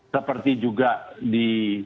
seperti juga di